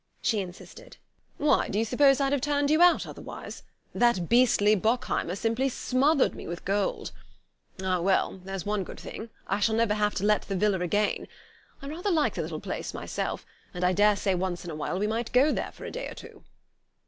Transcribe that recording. she insisted. "Why, do you suppose I'd have turned you out otherwise? That beastly Bockheimer simply smothered me with gold. Ah, well, there's one good thing: I shall never have to let the villa again! I rather like the little place myself, and I daresay once in a while we might go there for a day or two....